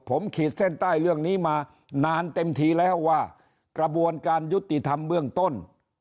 ผมขีดเส้นใต้เรื่องนี้มานานเต็มทีแล้วว่ากระบวนการยุติธรรมเบื้องต้น